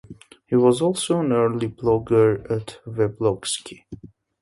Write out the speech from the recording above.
He was also an early blogger at Weblogsky.